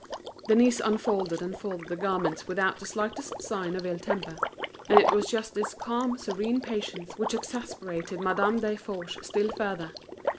Denise unfolded and folded the garments without the slightest sign of ill temper. And it was just this calm, serene patience which exasperated Madame Desforges still further.